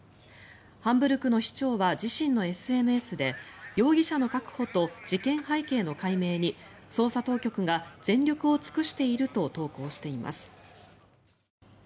ハンブルクの市長は自身のＳＮＳで容疑者の確保と事件背景の解明に捜査当局が全力を尽くしていると投稿しています。